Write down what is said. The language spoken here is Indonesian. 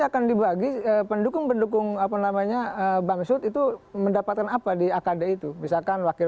akan dibagi pendukung pendukung apa namanya bamsud itu mendapatkan apa di akd itu misalkan wakil